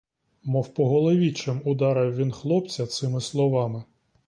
Мов по голові чим ударив він хлопця цими словами.